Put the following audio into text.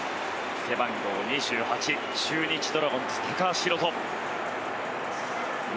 背番号２８中日ドラゴンズ橋宏斗。